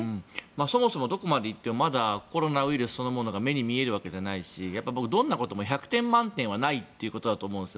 そもそもどこまで行ってもコロナウイルスそのものが目に見えるわけじゃないしどんなことも１００点満点はないということだと思うんですよ。